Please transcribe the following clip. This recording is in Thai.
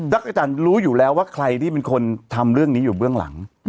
อาจารย์รู้อยู่แล้วว่าใครที่เป็นคนทำเรื่องนี้อยู่เบื้องหลัง